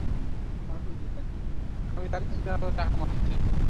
আপনি কি সমস্যার সমাধান করেছেন?